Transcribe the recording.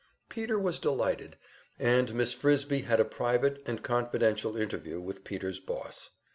Peter was delighted, and Miss Frisbie had a private and confidential interview with Peter's boss.